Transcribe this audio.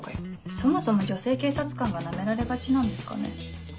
そもそも女性警察官がナメられがちなんですかね。